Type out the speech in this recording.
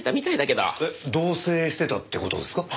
同棲してたって事ですか？